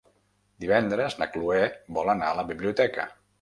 Divendres na Cloè vol anar a la biblioteca.